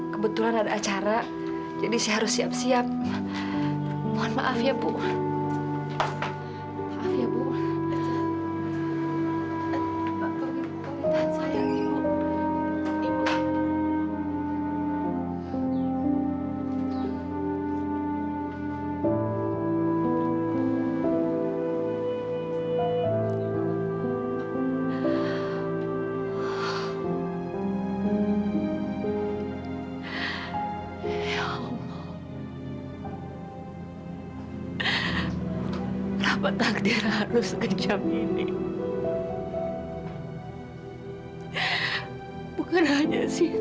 kalau rasanya kayak gini sih